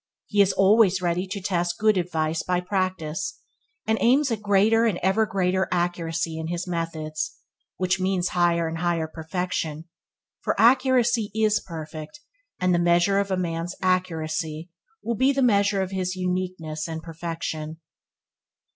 He is always ready to test good advice by practice, and aims at greater and ever greater accuracy in his methods, which means higher and higher perfection, for accuracy is perfect, and the measure of a man's accuracy will be the measure of his uniqueness and perfection.